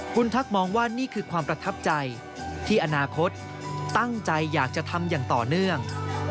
คุณทักมองว่านี่คือความประทับใจที่อนาคตตั้งใจอยากจะทำอย่างต่อเนื่อง